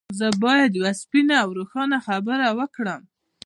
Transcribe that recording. زه بايد يوه سپينه او روښانه خبره وکړم.